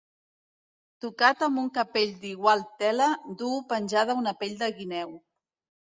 Tocat amb un capell d'igual tela, duu penjada una pell de guineu.